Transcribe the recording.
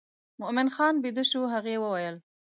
مومن خان بېده شو هغې وویل.